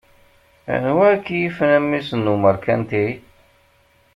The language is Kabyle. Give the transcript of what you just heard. Anwa i k-yifen a mmi-s n umeṛkanti?